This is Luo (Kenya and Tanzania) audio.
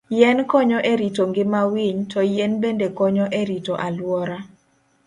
Yien konyo e rito ngima winy, to yien bende konyo e rito alwora.